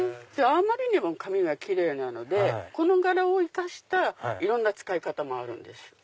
あまりにも紙がキレイなのでこの柄を生かしたいろんな使い方もあるんですよ。